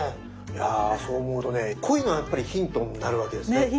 いやそう思うとねこういうのはやっぱりヒントになるわけですね。